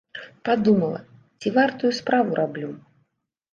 Падумала, ці вартую справу раблю.